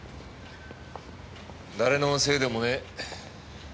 誰のせいでもねえ。